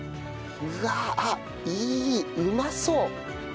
うわあっいい！うまそう！